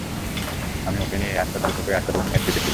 আমি ওকে নিয়ে এই হাসপাতাল থেকে ওই হাসপাতালে নিয়ে ছুটছিলাম।